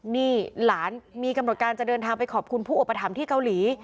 นี่หลานมีกำหนดการจะเดินทางไปขอบคุณผู้อุปถัมภ์ที่เกาหลี